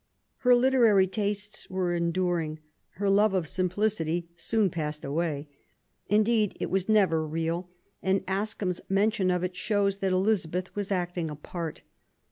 Her literary tastes were enduring; her love of simplicity soon passed away. Indeed, it was never real, and Ascham's mention of it shows that Eliza beth was acting a part.